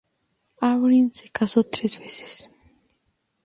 Albright se casó tres veces.